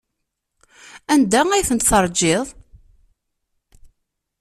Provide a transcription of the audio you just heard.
Anda ay ten-teṛjiḍ?